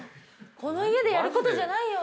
この家でやる事じゃないよ。